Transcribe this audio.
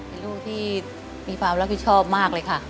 เป็นลูกที่มีความรับผิดชอบมากเลยค่ะ